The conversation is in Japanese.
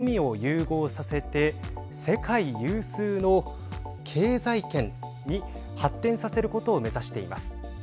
それぞれの強みを融合させて世界有数の経済圏に発展させることを目指しています。